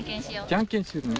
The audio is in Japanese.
じゃんけんするの？